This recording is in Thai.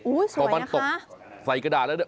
อุ๊ยสวยนะคะพอมันตกใส่กระดาษแล้ว